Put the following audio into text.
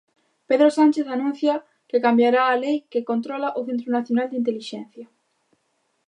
Pedro Sánchez anuncia que cambiará a lei que controla o Centro Nacional de Intelixencia.